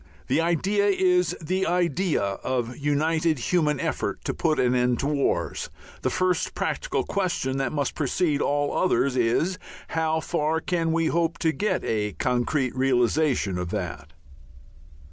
The idea is the idea of united human effort to put an end to wars; the first practical question, that must precede all others, is how far can we hope to get to a concrete realization of that?